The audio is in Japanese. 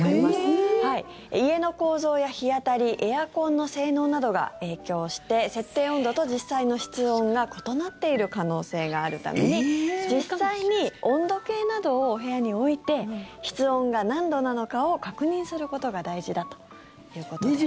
家の構造や日当たりエアコンの性能などが影響して設定温度と実際の室温が異なっている可能性があるために実際に温度計などを部屋に置いて室温が何度なのかを確認することが大事だということです。